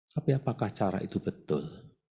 tapi apakah cara itu betul